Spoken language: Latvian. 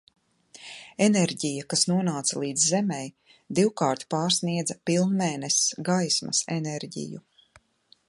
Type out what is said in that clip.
Enerģija, kas nonāca līdz Zemei, divkārt pārsniedza pilnmēness gaismas enerģiju.